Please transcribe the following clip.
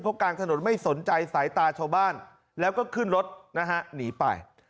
เพราะกลางถนนไม่สนใจสายตาชาวบ้านแล้วก็ขึ้นรถนะฮะหนีไป